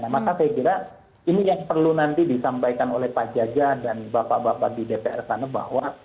maka saya kira ini yang perlu nanti disampaikan oleh pak jaja dan bapak bapak di dpr sana bahwa